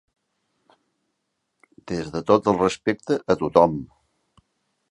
Des de tot el respecte a tothom.